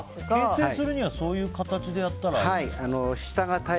形成するには、そういう形でやったらいいんですか。